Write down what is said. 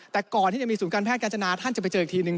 แต่ก่อนที่จะมีศูนย์การแพทย์การจนาท่านจะไปเจออีกทีนึง